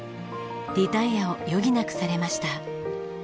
リタイアを余儀なくされました。